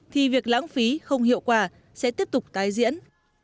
thì việc lãng phí không hiệu quả sẽ tiếp tục tái diễn